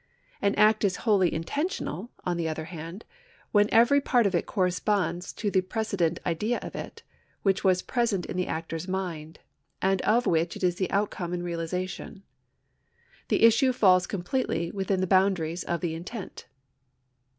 An act is wholly intentional, on the other hand, when every part of it corresponds to the prece dent idea of it, which was present in the actor's mind, and of which it is the outcome and realisation. The issue falls com pletely within the boundaries of the intent.